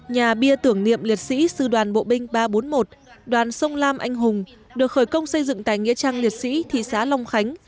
nhà bia tưởng niệm liệt sĩ sư đoàn bộ binh ba trăm bốn mươi một đoàn sông lam anh hùng được khởi công xây dựng tại nghĩa trang liệt sĩ thị xã long khánh